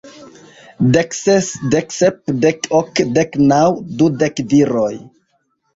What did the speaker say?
Dek ses, dek sep, dek ok, dek naŭ, dudek viroj!